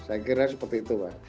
saya kira seperti itu